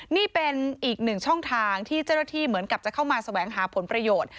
นี่เป็นอีกหนึ่งช่องทางที่เจ้าหน้าที่เหมือนกับจะเข้ามาแสวงหาผลประโยชน์